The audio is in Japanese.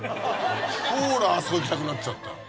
ほらあそこ行きたくなっちゃった。